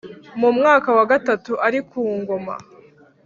Mu mwaka wa gatatu ari ku ngoma